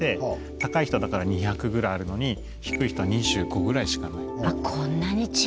高い人は２００ぐらいあるのに低い人は２５ぐらいしかない。